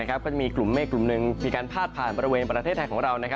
ก็มีกลุ่มเมฆกลุ่มหนึ่งมีการพาดผ่านบริเวณประเทศไทยของเรา